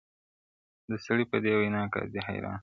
• د سړي په دې وینا قاضي حیران سو,